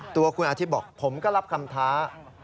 ตัวคุณอาทิตย์บอกผมก็รับคำท้า